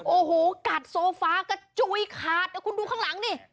โอ้โหกัดโซฟากระจุยขาดเดี๋ยวคุณดูข้างหลังดิ